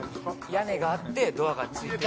屋根があってドアがついてる。